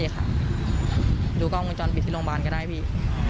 ๔ครั้งดูกล้องมือจอลปิดที่โรงพยาบาลก็ได้พี่